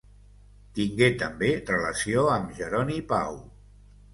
Tingué també relació amb Jeroni Pau.